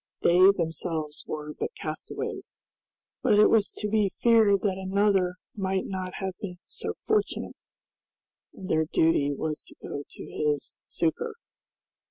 They themselves were but castaways, but it was to be feared that another might not have been so fortunate, and their duty was to go to his succor.